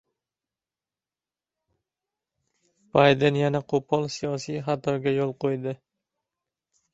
Bayden yana qo‘pol siyosiy xatoga yo‘l qo‘ydi